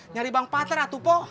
nyari bang patar atu po